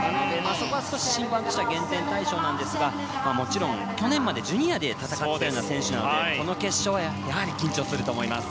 そこは少し審判としては減点対象なんですがもちろん去年までジュニアで戦っていた選手なのでこの決勝はやはり緊張すると思います。